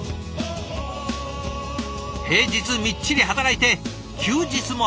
平日みっちり働いて休日もアメフト。